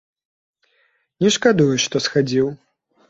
Не шкадую, што схадзіў.